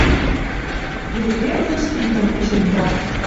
Ирӹк верцӹн штикым кычен цат.